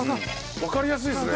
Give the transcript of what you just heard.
わかりやすいですね。